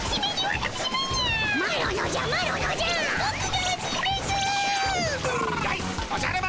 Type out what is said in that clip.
やいおじゃる丸！